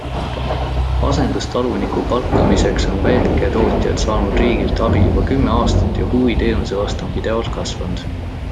Asendustaluniku palkamiseks on väiketootjad saanud riigilt abi juba kümme aastat ja huvi teenuse vastu on pidevalt kasvanud.